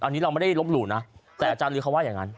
อันนี้เราไม่ได้ลบหลู่นะแต่อาจารย์ลือเขาว่าอย่างนั้น